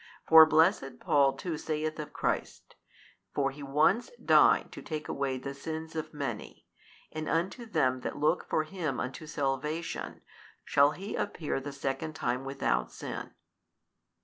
For blessed Paul too saith of Christ, For He once died to take away the sins of many, and unto them that look for Him unto salvation shall He appear the second time without sin.